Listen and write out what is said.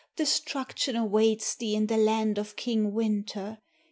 Destruction awaits thee in the land of King Winter.